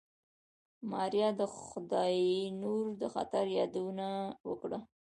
ماريا د خداينور د خطر يادونه وکړه.